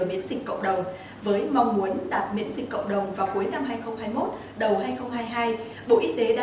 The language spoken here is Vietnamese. miễn dịch cộng đồng với mong muốn đạt miễn dịch cộng đồng vào cuối năm hai nghìn hai mươi một đầu hai nghìn hai mươi hai bộ y tế đã